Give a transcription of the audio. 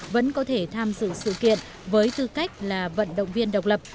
vẫn có thể tham dự sự kiện với tư cách là vận động viên độc lập